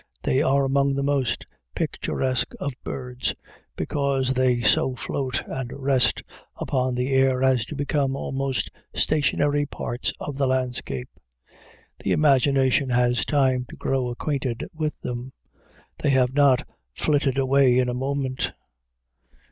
They are among the most picturesque of birds, because they so float and rest upon the air as to become almost stationary parts of the landscape. The imagination has time to grow acquainted with them; they have not flitted away in a moment.